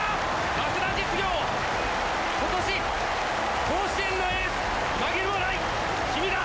早稲田実業今年甲子園のエース紛れもない君だ！